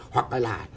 hoặc là lại